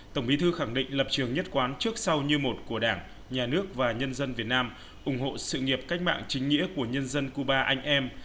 tổng bí thư khẳng định lập trường nhất quán trước sau như một của đảng nhà nước và nhân dân việt nam ủng hộ sự nghiệp cách mạng chính nghĩa của nhân dân cuba anh em